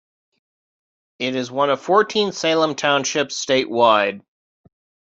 It is one of fourteen Salem Townships statewide.